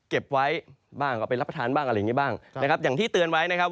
เก็บไว้บ้างเอาไปรับประทานบ้างอะไรอย่างนี้บ้างนะครับอย่างที่เตือนไว้นะครับ